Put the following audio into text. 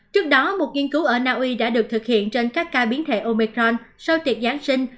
trước đó một nghiên cứu ở naui đã được thực hiện trên các ca biến thể omicron sau tiệc giáng sinh